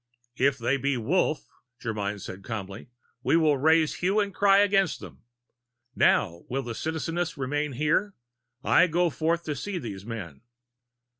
"If they be Wolf," Germyn said calmly, "we will raise hue and cry against them. Now will the Citizeness remain here? I go forth to see these men."